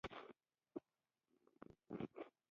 د وینیشن له هوارې نه تېر شوم، دا یوه کښته سیمه وه.